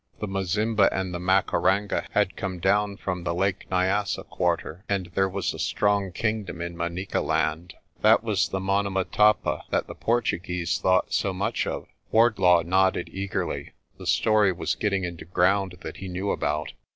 The Mazimba and the Makaranga had come down from the Lake Nyassa quarter, and there was a strong kingdom in Manicaland. That was the Monomotapa that the Portuguese thought so much of." Wardlaw nodded eagerly. The story was getting into ground that he knew about.